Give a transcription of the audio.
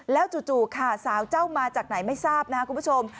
แล้วจู่ค่ะสาวเจ้ามาจากไหนไม่ทราบนะครับคุณผู้ชม